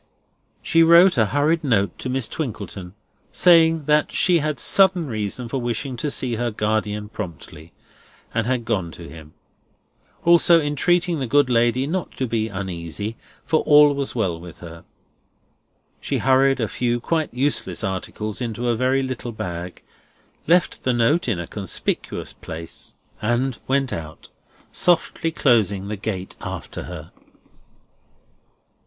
She wrote a hurried note to Miss Twinkleton, saying that she had sudden reason for wishing to see her guardian promptly, and had gone to him; also, entreating the good lady not to be uneasy, for all was well with her. She hurried a few quite useless articles into a very little bag, left the note in a conspicuous place, and went out, softly closing the gate after her.